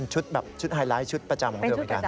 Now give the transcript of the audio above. ไฮไลท์ชุดประจำ